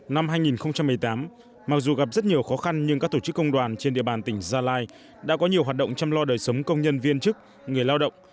năm hai nghìn một mươi tám mặc dù gặp rất nhiều khó khăn nhưng các tổ chức công đoàn trên địa bàn tỉnh gia lai đã có nhiều hoạt động chăm lo đời sống công nhân viên chức người lao động